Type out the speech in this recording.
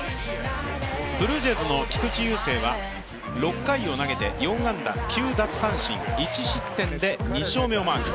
ブルージェイズの菊池雄星は６回を投げて９安打１失点で２勝目をマーク。